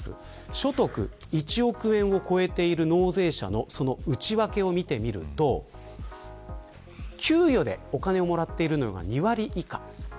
所得１億円を超えている納税者の内訳を見てみると給与で、お金をもらっているのは２割以下。